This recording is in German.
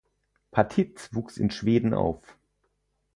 Patitz wuchs in Schweden auf.